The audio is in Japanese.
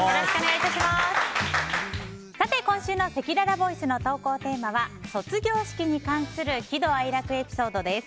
今週のせきららボイスの投稿テーマは卒業式に関する喜怒哀楽エピソードです。